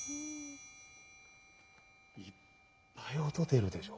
いっぱい音出るでしょ。